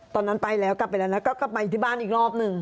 ตอนนั้นไปแล้วกลับไปแล้วก็ไปที่บ้านอีกรอบหนึ่ง